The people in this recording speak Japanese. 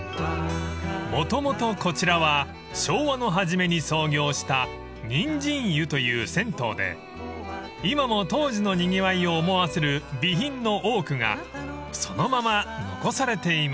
［もともとこちらは昭和の初めに創業した人参湯という銭湯で今も当時のにぎわいを思わせる備品の多くがそのまま残されています］